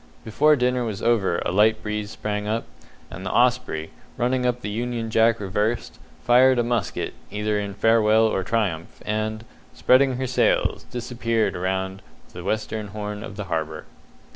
Before dinner was over a light breeze sprang up, and the Osprey, running up the union jack reversed, fired a musket, either in farewell or triumph, and, spreading her sails, disappeared round the western horn of the harbour.